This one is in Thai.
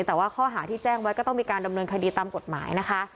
แต่ว่าข้อหาที่แจ้งไว้ก็ต้องมีการดำเนินคดีตามกฎหมายนะคะ